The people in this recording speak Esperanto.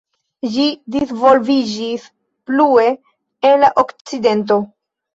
Ĝi disvolviĝis plue en la Okcidento.